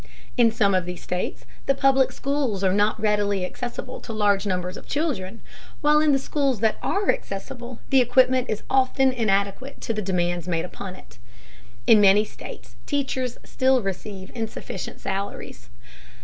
In some of these states the public schools are not readily accessible to large numbers of children, while in the schools that are accessible the equipment is often inadequate to the demands made upon it. In many states teachers still receive insufficient salaries.